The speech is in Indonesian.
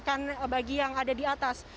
untuk melakukan pengecekan bagian yang ada di atas